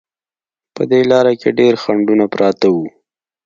په دې لاره کې ډېر خنډونه پراته وو.